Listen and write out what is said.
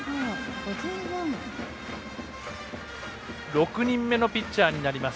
６人目のピッチャーになります。